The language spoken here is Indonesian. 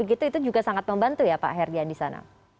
itu juga sangat membantu ya pak herdian di sana